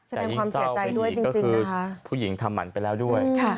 แต่ยิ่งเศร้าอย่างนี้ก็คือผู้หญิงทำหมั่นไปแล้วด้วย